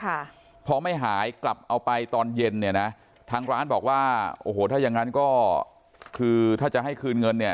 ค่ะพอไม่หายกลับเอาไปตอนเย็นเนี่ยนะทางร้านบอกว่าโอ้โหถ้าอย่างงั้นก็คือถ้าจะให้คืนเงินเนี่ย